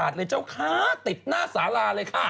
สองเก้า๘ละ